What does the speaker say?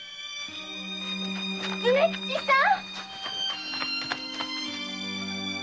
梅吉さん！